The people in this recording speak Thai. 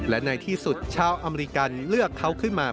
และในที่สุดชาวอเมริกันเลือกเขาขึ้นมา